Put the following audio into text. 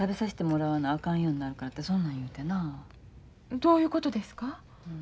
どういうことですか？